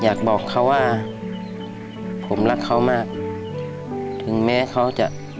อยากบอกเขาว่าผมรักเขามากถึงแม้เขาจะ